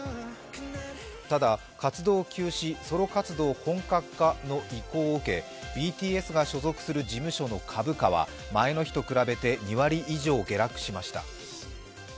ただ、活動休止、ソロ活動本格化の意向を受けＢＴＳが所属する事務所の株価は前の日と比べて２割以上下落しました。